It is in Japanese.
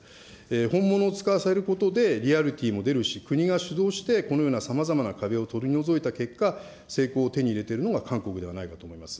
本物を使わせることで、リアリティも出るし、国が主導してこのようなさまざまな壁を取り除いた結果、成功を手に入れているのが韓国ではないかと思います。